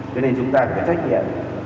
cho nên chúng ta phải trách nhiệm